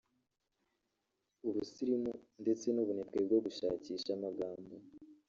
ubusirimu ndetse n’ubunebwe bwo gushakisha amagambo